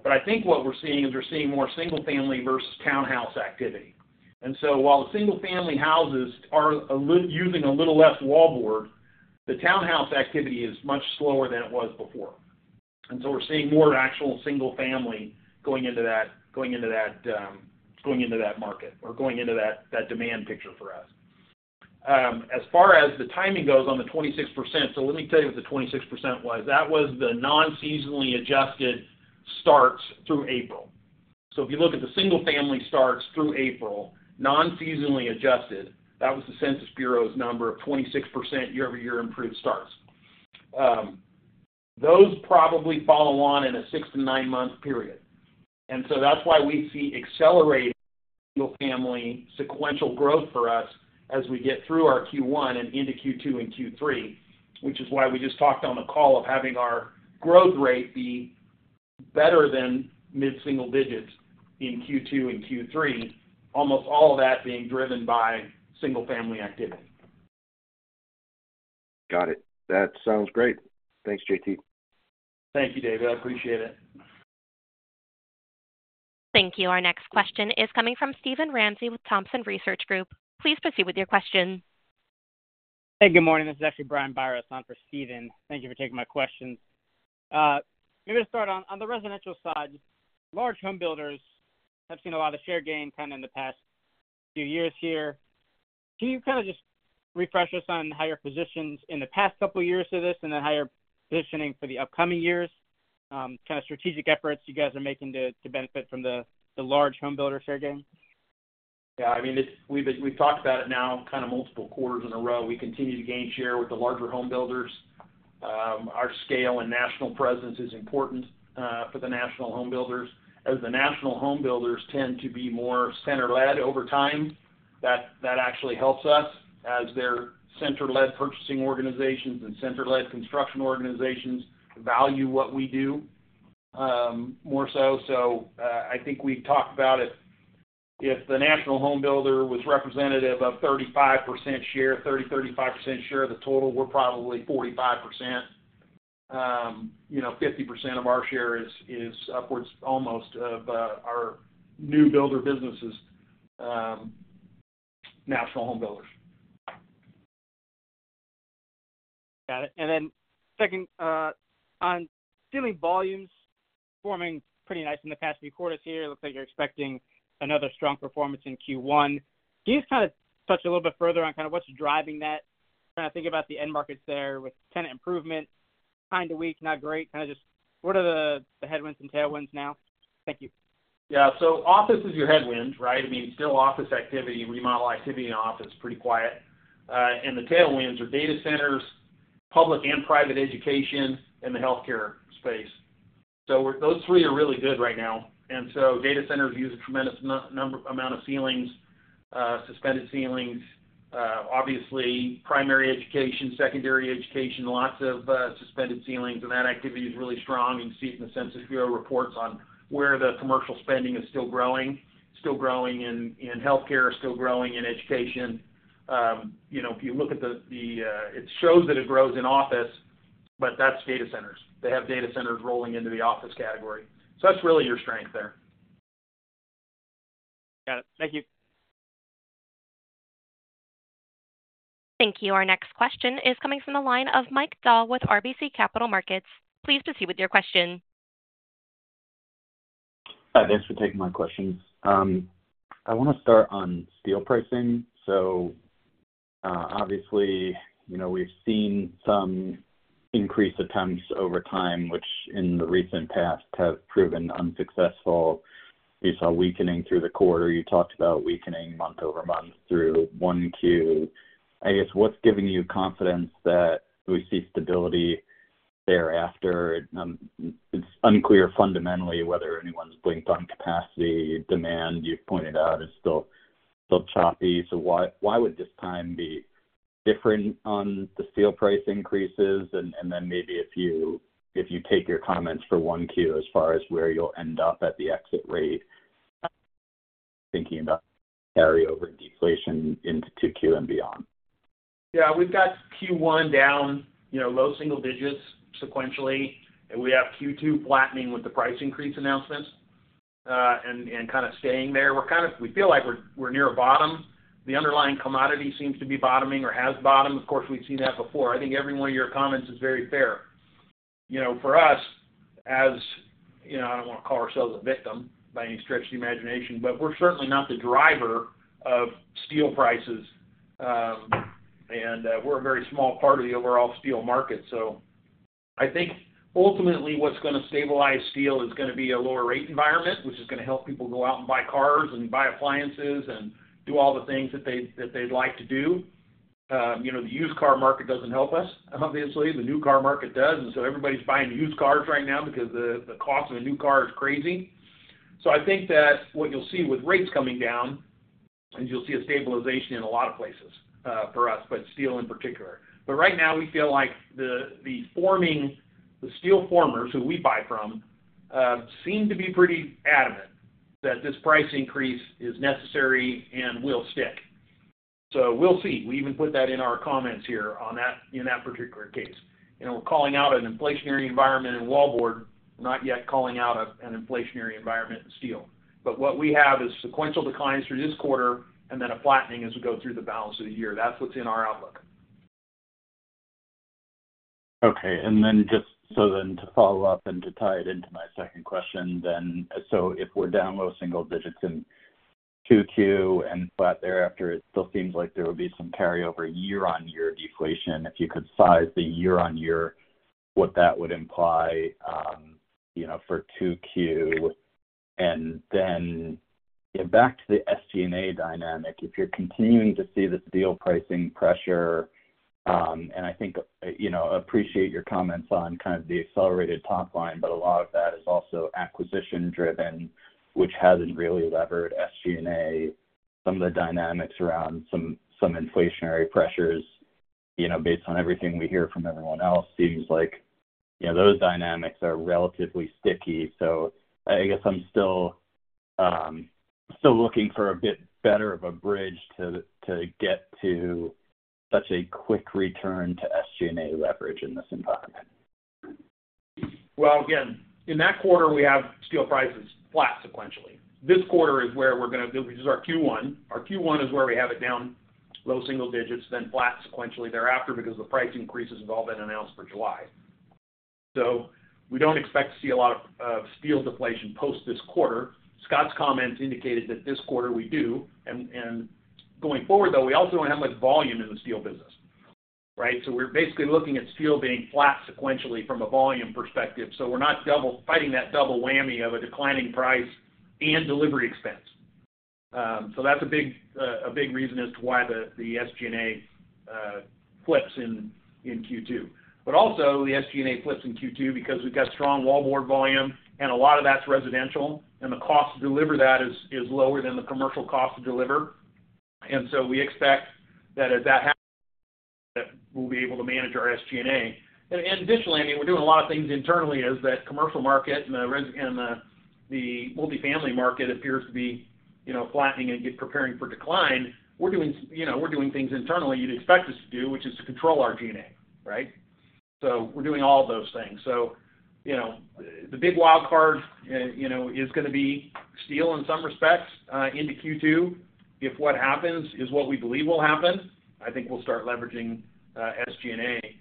But I think what we're seeing is, we're seeing more single family versus townhouse activity. And so while the single-family houses are using a little less wallboard, the townhouse activity is much slower than it was before. And so we're seeing more actual single family going into that market or that demand picture for us. As far as the timing goes on the 26%, so let me tell you what the 26% was. That was the non-seasonally adjusted starts through April. So if you look at the single family starts through April, non-seasonally adjusted, that was the Census Bureau's number of 26% year-over-year improved starts. Those probably fall along in a 6- to 9-month period. And so that's why we see accelerated single-family sequential growth for us as we get through our Q1 and into Q2 and Q3, which is why we just talked on the call of having our growth rate be better than mid-single digits in Q2 and Q3, almost all of that being driven by single-family activity. Got it. That sounds great. Thanks, JT. Thank you, David. I appreciate it. Thank you. Our next question is coming from Steven Ramsey with Thompson Research Group. Please proceed with your question. Hey, good morning. This is actually Brian Biros on for Steven. Thank you for taking my questions. Maybe to start, on, on the residential side, large home builders have seen a lot of share gain kind of in the past few years here. Can you kind of just refresh us on how your positions in the past couple of years to this and then how you're positioning for the upcoming years, kind of strategic efforts you guys are making to, to benefit from the, the large homebuilder share gain? Yeah, I mean, it's. We've talked about it now kind of multiple quarters in a row. We continue to gain share with the larger home builders. Our scale and national presence is important for the national home builders, as the national home builders tend to be more center-led over time. That actually helps us as their center-led purchasing organizations and center-led construction organizations value what we do more so. So, I think we've talked about it. If the national home builder was representative of 35% share, 35% share of the total, we're probably 45%. You know, 50% of our share is upwards almost of our new builder businesses, national home builders. Got it. And then second, on ceilings volumes, performing pretty nice in the past few quarters here. It looks like you're expecting another strong performance in Q1. Can you just kind of touch a little bit further on kind of what's driving that? Kind of think about the end markets there with tenant improvement, kind of weak, not great. Kind of just what are the, the headwinds and tailwinds now? Thank you. Yeah. So office is your headwind, right? I mean, still office activity, remodel activity in office, pretty quiet. And the tailwinds are data centers, public and private education, and the healthcare space. So, those three are really good right now, and so data centers use a tremendous amount of ceilings, suspended ceilings. Obviously, primary education, secondary education, lots of suspended ceilings, and that activity is really strong. You can see it in the Census Bureau reports on where the commercial spending is still growing, still growing in healthcare, still growing in education. You know, if you look at it, it shows that it grows in office, but that's data centers. They have data centers rolling into the office category. So that's really your strength there. Got it. Thank you. Thank you. Our next question is coming from the line of Mike Dahl with RBC Capital Markets. Please proceed with your question. Hi, thanks for taking my questions. I want to start on steel pricing. So, obviously, you know, we've seen some increased attempts over time, which in the recent past have proven unsuccessful. We saw weakening through the quarter. You talked about weakening month-over-month through 1Q. I guess, what's giving you confidence that we see stability thereafter? It's unclear fundamentally whether anyone's blinked on capacity, demand. You've pointed out it's still choppy. So why would this time be different on the steel price increases? And then maybe if you take your comments for 1Q, as far as where you'll end up at the exit rate, thinking about carry over deflation into 2Q and beyond. Yeah, we've got Q1 down, you know, low single digits sequentially, and we have Q2 flattening with the price increase announcements, and kind of staying there. We're kind of-- We feel like we're near a bottom. The underlying commodity seems to be bottoming or has bottomed. Of course, we've seen that before. I think every one of your comments is very fair. You know, for us, as you know, I don't want to call ourselves a victim by any stretch of the imagination, but we're certainly not the driver of steel prices. We're a very small part of the overall steel market. So I think ultimately, what's going to stabilize steel is going to be a lower rate environment, which is going to help people go out and buy cars and buy appliances and do all the things that they'd like to do. You know, the used car market doesn't help us. Obviously, the new car market does, and so everybody's buying used cars right now because the cost of a new car is crazy. So I think that what you'll see with rates coming down, is you'll see a stabilization in a lot of places, for us, but steel in particular. But right now, we feel like the framing, the steel framers, who we buy from, seem to be pretty adamant that this price increase is necessary and will stick. So we'll see. We even put that in our comments here on that, in that particular case. You know, we're calling out an inflationary environment in wallboard, not yet calling out an inflationary environment in steel. But what we have is sequential declines through this quarter, and then a flattening as we go through the balance of the year. That's what's in our outlook. Okay. And then just so then to follow up and to tie it into my second question then, so if we're down low single digits in Q2, and but thereafter, it still seems like there would be some carry over year-on-year deflation. If you could size the year on year, what that would imply, you know, for Q2. And then back to the SG&A dynamic, if you're continuing to see the steel pricing pressure, and I think, you know, appreciate your comments on kind of the accelerated top line, but a lot of that is also acquisition-driven, which hasn't really levered SG&A. Some of the dynamics around some, some inflationary pressures, you know, based on everything we hear from everyone else, seems like, you know, those dynamics are relatively sticky. So I guess I'm still looking for a bit better of a bridge to get to such a quick return to SG&A leverage in this environment. Well, again, in that quarter, we have steel prices flat sequentially. This quarter is where we're going to—This is our Q1. Our Q1 is where we have it down, low single digits, then flat sequentially thereafter, because the price increases have all been announced for July. So we don't expect to see a lot of steel deflation post this quarter. Scott's comments indicated that this quarter we do, and going forward, though, we also don't have much volume in the steel business, right? So we're basically looking at steel being flat sequentially from a volume perspective, so we're not double-fighting that double whammy of a declining price and delivery expense. So that's a big, a big reason as to why the SG&A flips in Q2. But also the SG&A flips in Q2 because we've got strong wallboard volume, and a lot of that's residential, and the cost to deliver that is lower than the commercial cost to deliver. And so we expect that as that happens, that we'll be able to manage our SG&A. And additionally, I mean, we're doing a lot of things internally as that commercial market and the multifamily market appears to be, you know, flattening and getting preparing for decline. We're doing, you know, we're doing things internally you'd expect us to do, which is to control our G&A, right? So we're doing all of those things. So, you know, the big wild card is gonna be steel in some respects into Q2. If what happens is what we believe will happen, I think we'll start leveraging SG&A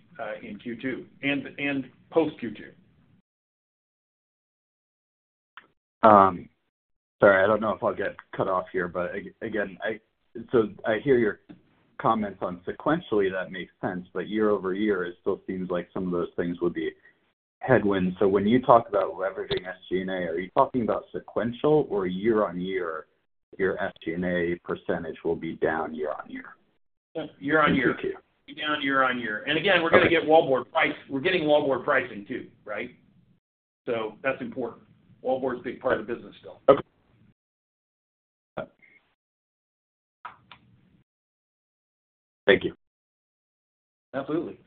in Q2 and post Q2. Sorry, I don't know if I'll get cut off here, but so I hear your comments on sequentially that makes sense, but year-over-year, it still seems like some of those things would be headwinds. So when you talk about leveraging SG&A, are you talking about sequential or year-over-year, your SG&A percentage will be down year-over-year? Year-over-year. Q2. Down year-over-year. And again- Got it. We're gonna get wallboard price. We're getting wallboard pricing too, right? So that's important. Wallboard's a big part of the business still. Okay. Thank you. Absolutely.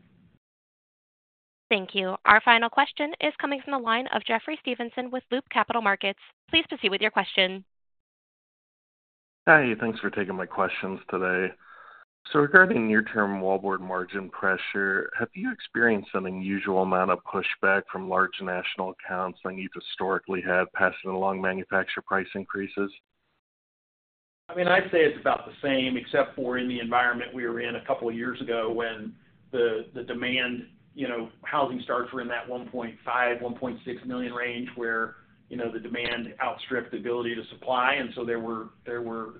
Thank you. Our final question is coming from the line of Jeffrey Stevenson with Loop Capital Markets. Please proceed with your question. Hi, thanks for taking my questions today. Regarding near-term wallboard margin pressure, have you experienced an unusual amount of pushback from large national accounts than you've historically had passing along manufacturer price increases? I mean, I'd say it's about the same, except for in the environment we were in a couple of years ago when the demand, you know, housing starts were in that 1.5-1.6 million range, where, you know, the demand outstripped the ability to supply, and so there were, there were,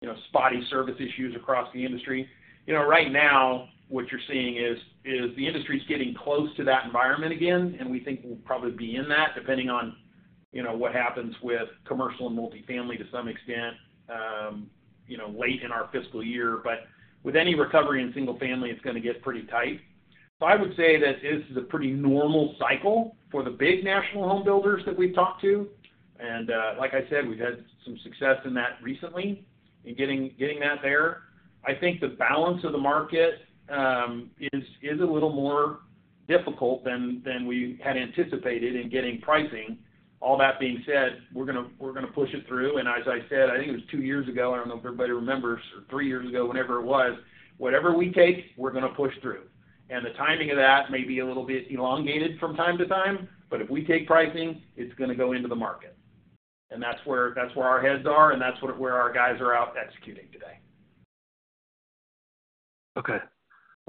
you know, spotty service issues across the industry. You know, right now, what you're seeing is, is the industry is getting close to that environment again, and we think we'll probably be in that, depending on, you know, what happens with commercial and multifamily to some extent, you know, late in our fiscal year. But with any recovery in single family, it's gonna get pretty tight. So I would say that this is a pretty normal cycle for the big national homebuilders that we've talked to. Like I said, we've had some success in that recently in getting that there. I think the balance of the market is a little more difficult than we had anticipated in getting pricing. All that being said, we're gonna push it through. And as I said, I think it was two years ago, I don't know if everybody remembers, or three years ago, whenever it was, whatever we take, we're gonna push through. And the timing of that may be a little bit elongated from time to time, but if we take pricing, it's gonna go into the market. And that's where our heads are, and that's where our guys are out executing today. Okay,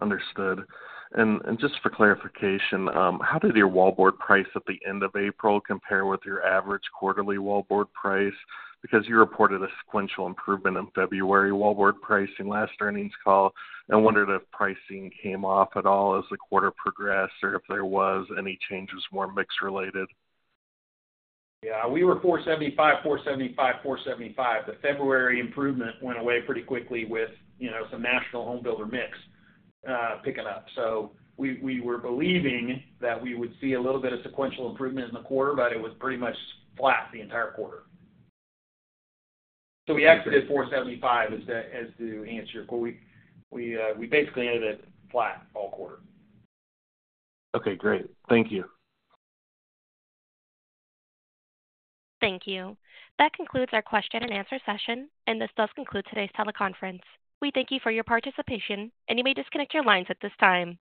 understood. And just for clarification, how did your wallboard price at the end of April compare with your average quarterly wallboard price? Because you reported a sequential improvement in February wallboard pricing last earnings call, I wonder if pricing came off at all as the quarter progressed or if there was any changes more mix related. Yeah, we were 475, 475, 475. The February improvement went away pretty quickly with, you know, some national homebuilder mix picking up. So we were believing that we would see a little bit of sequential improvement in the quarter, but it was pretty much flat the entire quarter. So we exited 475, as the, as to answer your, but we basically ended it flat all quarter. Okay, great. Thank you. Thank you. That concludes our question and answer session, and this does conclude today's teleconference. We thank you for your participation, and you may disconnect your lines at this time.